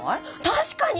確かに！